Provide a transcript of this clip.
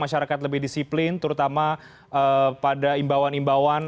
masyarakat lebih disiplin terutama pada imbauan imbauan